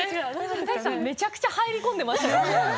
高石さん、めちゃくちゃ入り込んでましたよ。